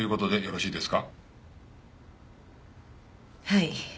はい。